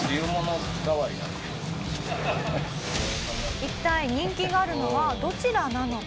一体人気があるのはどちらなのか？